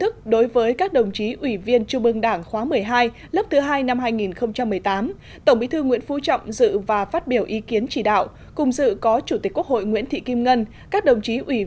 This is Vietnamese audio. các đồng chí ủy viên bộ chính trị các đồng chí bí thư trung ương đảng